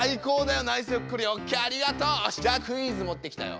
よしじゃあクイズ持ってきたよ。